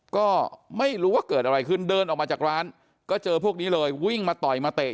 ก็ไม่รู้ว่าเกิดอะไรขึ้นเดินออกมาจากร้านก็เจอพวกนี้เลยวิ่งมาต่อยมาเตะ